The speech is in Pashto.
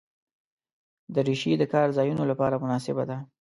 دریشي د کار ځایونو لپاره مناسبه ده.